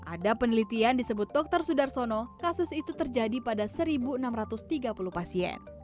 ada penelitian disebut dr sudarsono kasus itu terjadi pada seribu enam ratus tiga puluh pasien